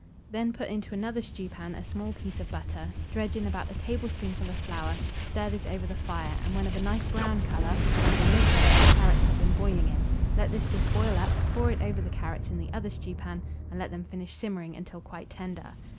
Then put into another stewpan a small piece of butter; dredge in about a tablespoonful of flour; stir this over the fire, and when of a nice brown colour, add the liquor that the carrots have been boiling in; let this just boil up, pour it over the carrots in the other stewpan, and let them finish simmering until quite tender.